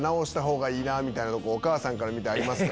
お母さんから見てありますか？